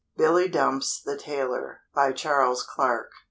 BILLY DUMPS, THE TAILOR. CHARLES CLARK.